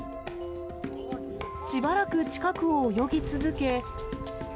しばらく近くを泳ぎ続け。